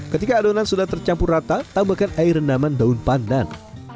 ketika adonan sudah tercampur rata tambahkan air rendaman daun pandan